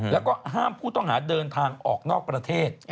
แล้วก็ห้ามผู้ต้องหาเดินทางออกนอกประเทศ